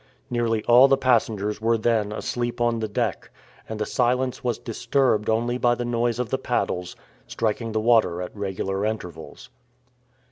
Nearly all the passengers were then asleep on the deck, and the silence was disturbed only by the noise of the paddles striking the water at regular intervals.